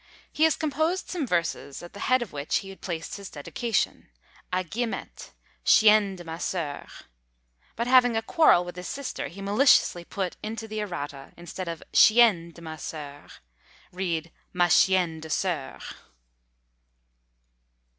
He had composed some verses, at the head of which he placed this dedication A Guillemette, Chienne de ma Soeur; but having a quarrel with his sister, he maliciously put into the errata, "Instead of Chienne de ma Soeur, read ma Chienne de Soeur."